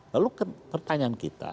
lalu pertanyaan kita